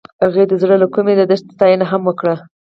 هغې د زړه له کومې د دښته ستاینه هم وکړه.